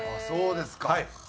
そうですか。